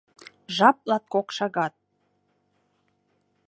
Жап латкок шагат.